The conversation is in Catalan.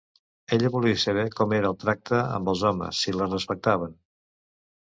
Ella volia saber com era el tracte amb els homes, si les respectaven.